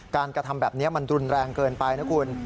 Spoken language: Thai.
กระทำแบบนี้มันรุนแรงเกินไปนะคุณ